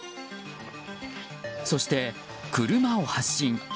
そして、車を発進。